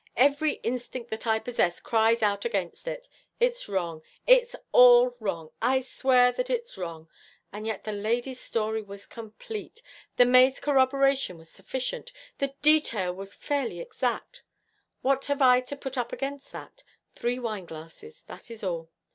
Every instinct that I possess cries out against it. It's wrong it's all wrong I'll swear that it's wrong. And yet the lady's story was complete, the maid's corroboration was sufficient, the detail was fairly exact. What have I to put up against that? Three wineglasses, that is all.